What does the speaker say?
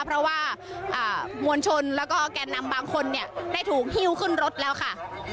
เพราะว่ามวลชนแล้วก็แกนนำบางคนเนี่ยได้ถูกหิ้วขึ้นรถแล้วค่ะ